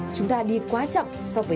chúng ta đi quá chậm so với tất cả